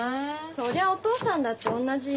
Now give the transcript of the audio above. そりゃお父さんだっておんなじよ。